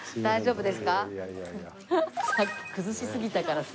大丈夫ですか？